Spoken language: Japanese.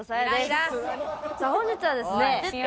さあ本日はですね